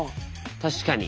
確かに。